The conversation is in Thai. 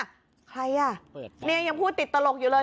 ใครอ่ะเนี่ยยังพูดติดตลกอยู่เลย